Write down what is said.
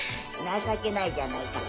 情けないじゃないか。